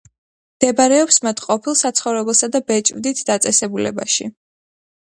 მდებარეობს მათ ყოფილ საცხოვრებელსა და ბეჭვდით დაწესებულებაში.